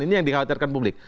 ini yang dikhawatirkan publik